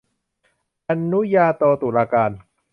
อนุญาโตตุลาการ